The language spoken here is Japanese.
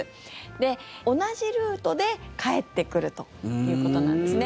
で、同じルートで帰ってくるということなんですね。